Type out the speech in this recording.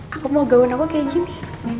aku mau gaun aku kayak gini